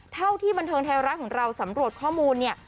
เท่าที่บันเทิงไทยรัฐของเราสำรวจข้อมูลเนี่ย